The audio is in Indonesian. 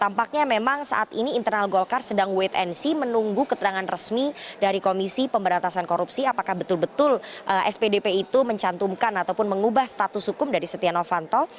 tampaknya memang saat ini internal golkar sedang wait and see menunggu keterangan resmi dari komisi pemberantasan korupsi apakah betul betul spdp itu mencantumkan ataupun mengubah status hukum dari setia novanto